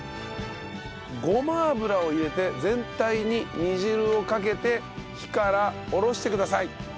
ごま油を入れて全体に煮汁をかけて火から下ろしてください。